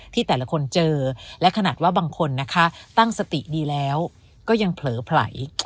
ที่แต่ละคนเจอและขนาดว่าบางคนนะคะตั้งสติดีแล้วก็ยังเผลอไผล